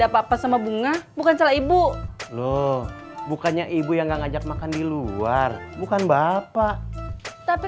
apa apa sama bunga bukan salah ibu loh bukannya ibu yang nggak ngajak makan di luar bukan bapak tapi